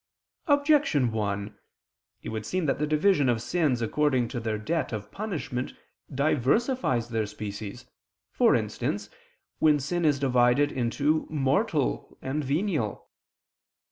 Objection 1: It would seem that the division of sins according to their debt of punishment diversifies their species; for instance, when sin is divided into "mortal" and "venial."